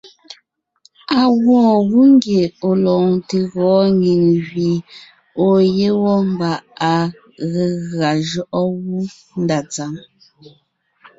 Á gwoon gú ngie ɔ̀ lɔɔn te gɔɔn nyìŋ gẅie ɔ̀ɔ yé wɔ́ mbà à ge gʉa jʉɔʼɔ gú ndá tsǎŋ.